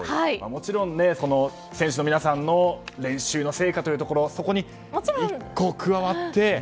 もちろん選手の皆さんの練習の成果というところそこに加わって。